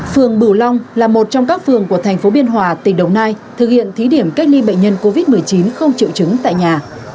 phường bửu long là một trong các phường của thành phố biên hòa tỉnh đồng nai thực hiện thí điểm cách ly bệnh nhân covid một mươi chín không triệu chứng tại nhà